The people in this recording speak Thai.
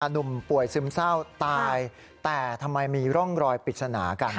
หนุ่มป่วยซึมเศร้าตายแต่ทำไมมีร่องรอยปริศนากัน